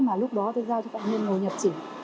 mà lúc đó tôi giao cho phạm nhân ngồi nhập chỉ